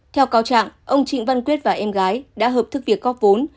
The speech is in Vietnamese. theo cáo trạng ông trịnh văn quyết và em gái đã hợp thức việc góp vốn